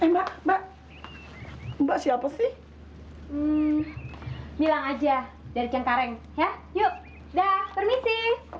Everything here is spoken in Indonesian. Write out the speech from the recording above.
mbak mbak siapa sih bilang aja dari cengkareng ya yuk dah permisi